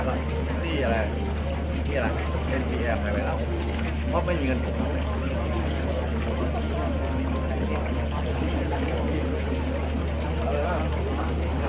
เมืองอัศวินธรรมดาคือสถานที่สุดท้ายของเมืองอัศวินธรรมดา